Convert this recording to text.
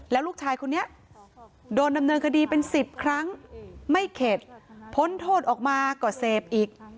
แล้วลูกชายคนนี้โดนดำเนินคดีเป็น๑๐ครั้งไม่เข็ดพ้นโทษออกมาก็เสพอีก